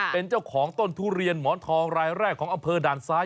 เป็นเจ้าของต้นทุเรียนหมอนทองรายแรกของอำเภอด่านซ้าย